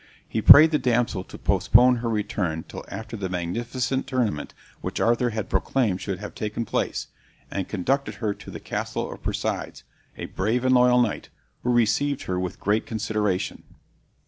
He prayed the damsel to postpone her return till after the magnificent tournament which Arthur had proclaimed should have taken place, and conducted her to the castle of Persides, a brave and loyal knight, who received her with great consideration.